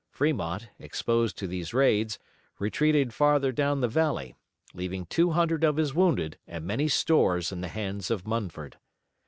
Fremont, exposed to these raids, retreated farther down the valley, leaving two hundred of his wounded and many stores in the hands of Munford.